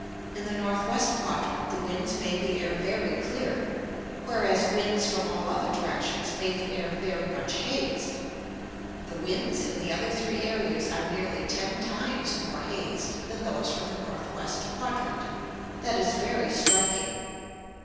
In the north west quadrant the winds made the air very clear, whereas winds from all other directions made the air very much hazed. The winds in the other three areas are nearly ten times more hazed than those from the north west quadrant. That is very striking.